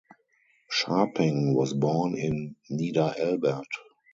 Scharping was born in Niederelbert.